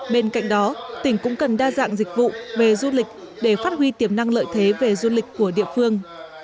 bên cạnh đó tỉnh cũng cần đa dạng dịch vụ về du lịch để phát huy tiềm năng lợi thế về du lịch của địa phương